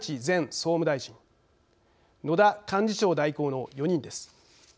総務大臣野田幹事長代行の４人です。